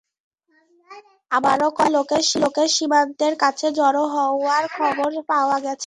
আরও কয়েক হাজার লোকের সীমান্তের কাছে জড়ো হওয়ার খবর পাওয়া গেছে।